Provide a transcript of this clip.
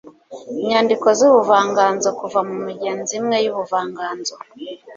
inyandiko zubuvanganzo kuva mumigenzo imwe yubuvanganzo